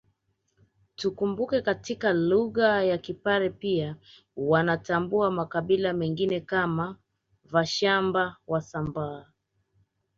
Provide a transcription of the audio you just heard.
Tukumbuke katika lugha ya Kipare pia wanatambua makabila mengine kama Vashamba Wasambaa